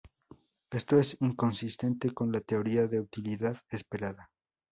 Esto es inconsistente con la teoría de utilidad esperada.